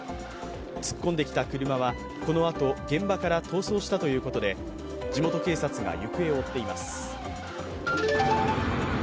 突っ込んできた車はこのあと、現場から逃走したということで地元警察が行方を追っています。